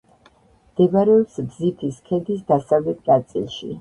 მდებარეობს ბზიფის ქედის დასავლეთ ნაწილში.